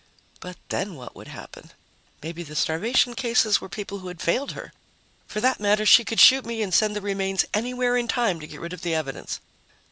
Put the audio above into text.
But then what would happen? Maybe the starvation cases were people who had failed her! For that matter, she could shoot me and send the remains anywhere in time to get rid of the evidence.